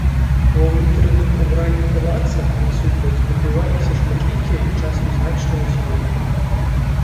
Ва ўнутраным убранні палаца насупраць адбываліся шматлікія і часам значныя змены.